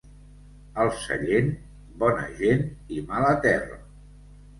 El Sallent: bona gent i mala terra.